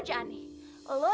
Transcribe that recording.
pertanyaannya selalu aja aneh